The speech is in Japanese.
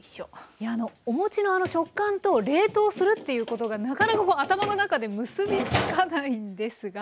いやおもちのあの食感と冷凍するっていうことがなかなか頭の中で結び付かないんですが。